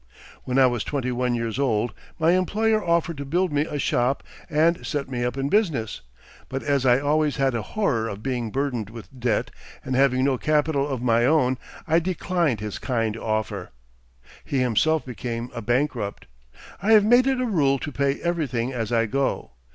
When I was twenty one years old my employer offered to build me a shop and set me up in business, but as I always had a horror of being burdened with debt, and having no capital of my own, I declined his kind offer. He himself became a bankrupt. I have made it a rule to pay everything as I go.